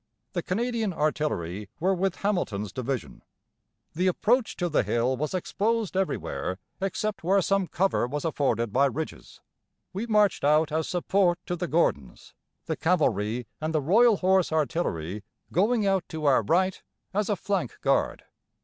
The Canadian artillery were with Hamilton's division. The approach to the hill was exposed everywhere except where some cover was afforded by ridges. We marched out as support to the Gordons, the cavalry and the Royal Horse Artillery going out to our right as a flank guard.